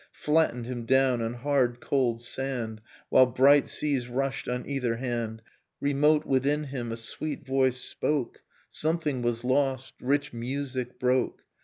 Flattened him down on hard cold sand While bright seas rushed on either hand. Remote within him a sweet voice spoke, — Something was lost ! Rich music broke.